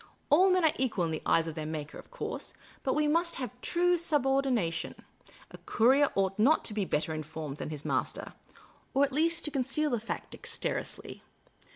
All men are equal in the eyes of their Maker, of course ; but we must have due subordina tion. A courier ought not to be better informed than his master — or ought at least to conceal the fact dexterously.